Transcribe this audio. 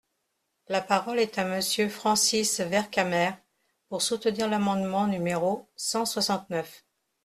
La parole est à Monsieur Francis Vercamer, pour soutenir l’amendement numéro cent soixante-neuf.